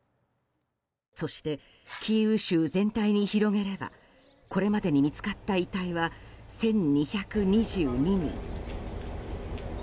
そして、キーウ州全体に広げればこれまでに見つかった遺体は１２２２人。